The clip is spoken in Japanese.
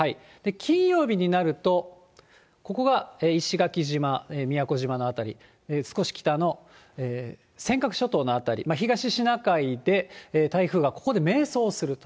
金曜日になると、ここが石垣島、宮古島の辺り、少し北の尖閣諸島の辺り、東シナ海で台風がここで迷走すると。